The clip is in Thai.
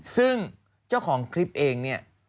ซึ่งเจ้าของคลิปเองเนี่ย